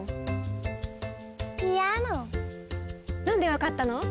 なんでわかったの？